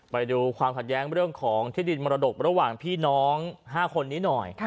ไปดูความขัดแย้งเรื่องของที่ดินมรดกระหว่างพี่น้อง๕คนนี้หน่อย